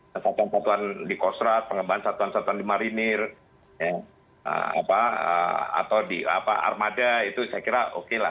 satuan satuan di kostrat pengembangan satuan satuan di marinir atau di armada itu saya kira oke lah